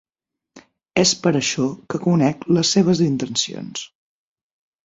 És per això que conec les seves intencions.